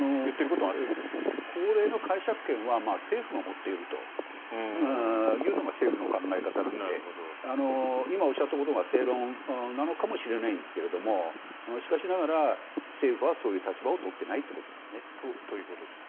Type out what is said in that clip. それは法令の解釈権は政府が持っていると政府の考え方なので今、おっしゃったことが正論なのかもしれないんですがしかしながら政府はそういう立場を取っていないということですね。ということです。